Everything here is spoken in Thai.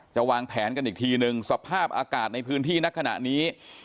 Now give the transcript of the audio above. วางแผนกันอีกทีนึงสภาพอากาศในพื้นที่ณขณะนี้